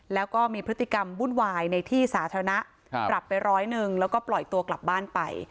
แล้วก็มีพฤติกรรมวุ่นวายในที่สาธารณะปรับไปร้อยหนึ่งแล้วก็ปล่อยตัวกลับบ้านไป